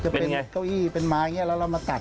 จะเป็นเก้าอี้เป็นไม้อย่างนี้แล้วเรามาตัด